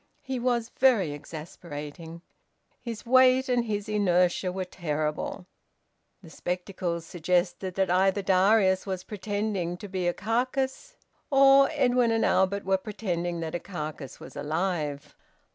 He was very exasperating. His weight and his inertia were terrible. The spectacle suggested that either Darius was pretending to be a carcass, or Edwin and Albert were pretending that a carcass was alive.